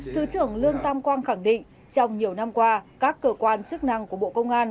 thứ trưởng lương tam quang khẳng định trong nhiều năm qua các cơ quan chức năng của bộ công an